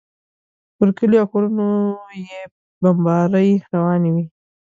پر کلیو او کورونو یې بمبارۍ روانې وې.